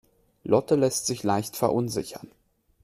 Lotte lässt sich leicht verunsichern.